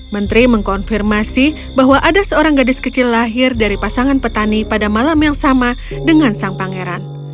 menteri mengkonfirmasi bahwa ada seorang gadis kecil lahir dari pasangan petani pada malam yang sama dengan sang pangeran